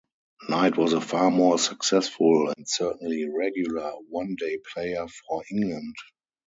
Knight was a far more successful, and certainly regular, one-day player for England.